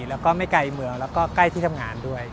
แล้วก็ไม่ไกลเมืองแล้วก็ใกล้ที่ทำงานด้วย